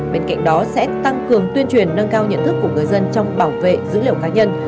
bên cạnh đó sẽ tăng cường tuyên truyền nâng cao nhận thức của người dân trong bảo vệ dữ liệu cá nhân